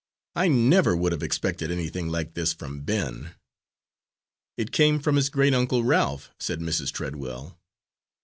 I never would have expected anything like this from Ben." "It came from his great uncle Ralph," said Mrs. Treadwell.